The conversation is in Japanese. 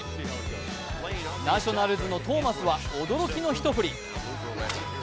ナショナルズのトーマスは驚きの一振り。